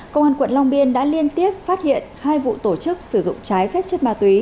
công an quận long biên đã liên tiếp phát hiện hai vụ tổ chức sử dụng trái phép chất ma túy